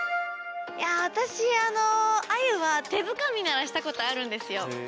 私アユは手づかみならしたことあるんですよ。